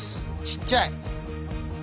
ちっちゃい！